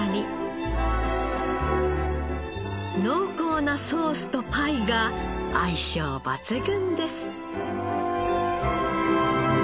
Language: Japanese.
濃厚なソースとパイが相性抜群です。